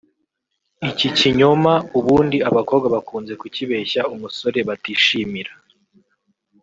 iki kinyoma ubundi abakobwa bakunze kukibeshya umusore batishimira